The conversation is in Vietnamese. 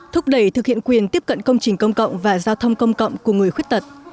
thúc đẩy thực hiện quyền tiếp cận công trình công cộng và giao thông công cộng của người khuyết tật